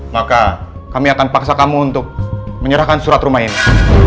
maka kami akan paksa kamu untuk menyerahkan surat rumah ini